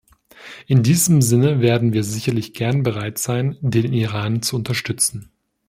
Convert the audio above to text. In diesem Sinne werden wir sicherlich gerne bereit sein, den Iran zu unterstützen.